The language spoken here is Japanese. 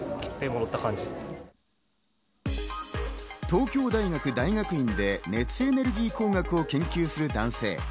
東京大学大学院で熱エネルギー工学を研究する男性。